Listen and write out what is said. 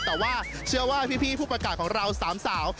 แต่ว่าเชื่อว่าพี่ผู้ประกาศของเราสามสาว